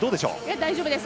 大丈夫です。